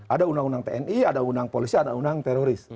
ada undang undang tni ada undang polisi ada undang teroris